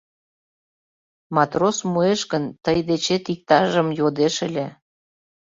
Матрос муэш гын, тый дечет иктажым йодеш ыле.